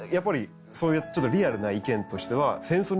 ちょっとリアルな意見としては。